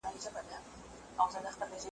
غر که هر څونده لور وي، خو پر سر لار لري .